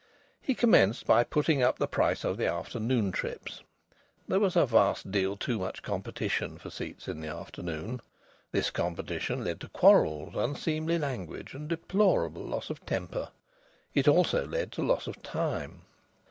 He commenced by putting up the price of the afternoon trips. There was a vast deal too much competition for seats in the afternoon. This competition led to quarrels, unseemly language, and deplorable loss of temper. It also led to loss of time.